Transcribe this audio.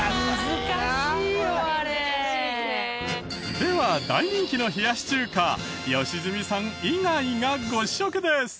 では大人気の冷やし中華良純さん以外がご試食です。